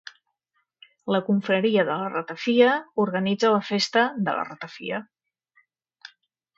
La Confraria de la Ratafia organitza la Festa de la Ratafia.